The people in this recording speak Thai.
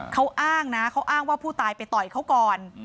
เขาอ้างนะเขาอ้างว่าผู้ตายไปต่อยเขาก่อน